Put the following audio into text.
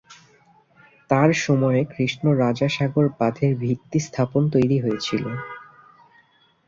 তাঁর সময়ে কৃষ্ণ রাজা সাগর বাঁধের ভিত্তি স্থাপন তৈরি হয়েছিল।